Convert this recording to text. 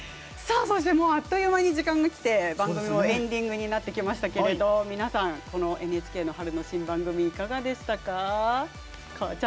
そして、あっという間に時間がきて番組もエンディングになってきましたけど皆さん、このＮＨＫの春の新番組いかがでしたか？